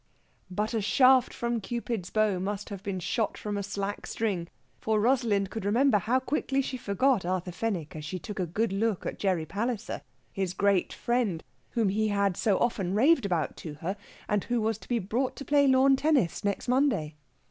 But a shaft from Cupid's bow must have been shot from a slack string, for Rosalind could remember how quickly she forgot Arthur Fenwick as she took a good look at Gerry Palliser, his great friend, whom he had so often raved about to her, and who was to be brought to play lawn tennis next Monday.